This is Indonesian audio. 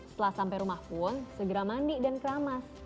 setelah sampai rumah pun segera mandi dan keramas